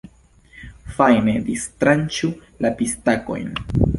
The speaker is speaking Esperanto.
Fajne distranĉu la pistakojn.